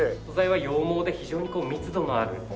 素材は羊毛で非常に密度のある。